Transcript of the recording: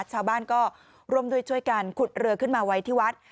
ชาวบ้านก็ร่วมด้วยช่วยกันขุดเรือขึ้นมาไว้ที่วัด